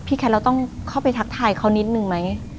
แคทเราต้องเข้าไปทักทายเขานิดนึงไหม